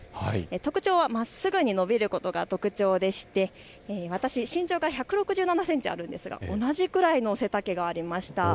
特徴はまっすぐに伸びることが特徴でして私、身長が１６７センチあるんですが、同じくらいの背丈がありました。